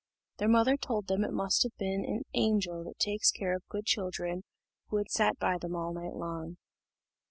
Their mother told them it must have been the angel that takes care of good children who had sat by them all night long.